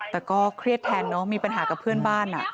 แต่ก็เครียดแทนเนอะมีปัญหากับเพื่อนบ้าน